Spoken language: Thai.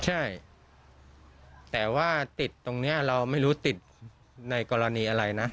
ใช่แต่ว่าติดตรงนี้เราไม่รู้ติดในกรณีอะไรนะ